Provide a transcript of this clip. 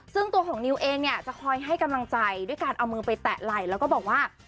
ซึ่งตัวของนิวเองเนี่ยจะคอยให้กำลังใจด้วยการเอามือไปแตะไหล่แล้วก็บอกว่า